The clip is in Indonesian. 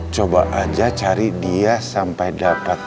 coba aja cari dia sampai dapat